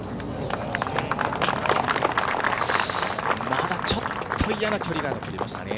まだちょっと嫌な距離が残りましたね。